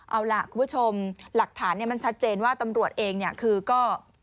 เอาล่ะคุณผู้ชมหลักฐานเนี่ยมันชัดเจนว่าตำรวจเองเนี่ยคือก็